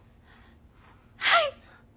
はい！